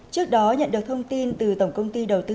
trước đó nhận được thông tin từ tổng công ty đầu tư